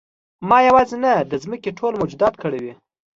ما یوازې نه د ځمکې ټول موجودات کړوي.